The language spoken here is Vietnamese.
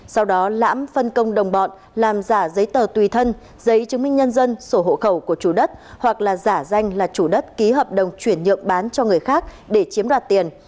sau đó lãm phân công đồng bọn làm giả giấy tờ tùy thân giấy chứng minh nhân dân sổ hộ khẩu của chủ đất hoặc là giả danh là chủ đất ký hợp đồng chuyển nhượng bán cho người khác để chiếm đoạt tiền